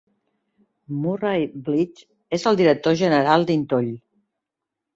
Murray Bleach és el director general d"Intoll.